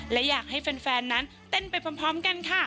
และอยากให้แฟนนั้นเต้นไปพร้อมกันค่ะ